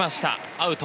アウト。